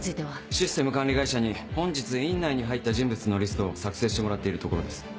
システム管理会社に本日院内に入った人物のリストを作成してもらっているところです。